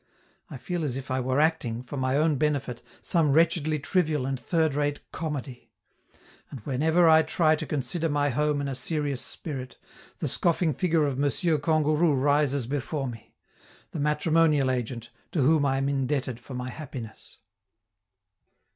I feel as if I were acting, for my own benefit, some wretchedly trivial and third rate comedy; and whenever I try to consider my home in a serious spirit, the scoffing figure of M. Kangourou rises before me the matrimonial agent, to whom I am indebted for my happiness.